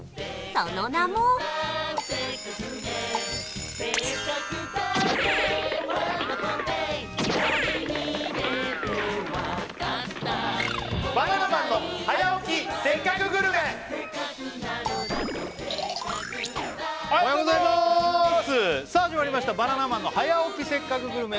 その名もおはようございますさあ始まりました「バナナマンの早起きせっかくグルメ！！」